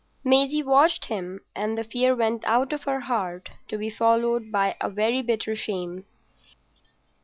Maisie watched him, and the fear went out of her heart, to be followed by a very bitter shame.